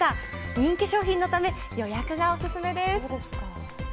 人気商品のため、予約がお勧めです。